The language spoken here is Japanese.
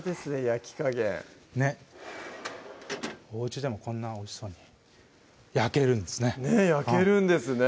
焼き加減ねっおうちでもこんなおいしそうに焼けるんですね